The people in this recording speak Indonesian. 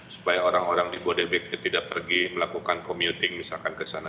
supaya orang orang di bodebek itu tidak pergi melakukan commuting misalkan ke sana